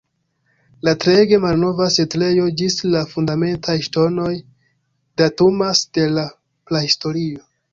La treege malnova setlejo ĝis la fundamentaj ŝtonoj datumas de la prahistorio.